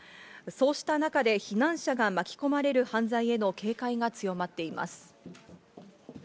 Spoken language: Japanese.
そうした中で避難者が巻き込まれる犯罪への警戒が強まっています。